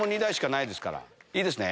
いいですね？